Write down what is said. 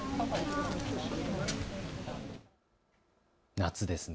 夏ですね。